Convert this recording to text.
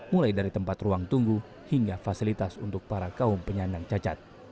mulai dari tempat ruang tunggu hingga fasilitas untuk para kaum penyandang cacat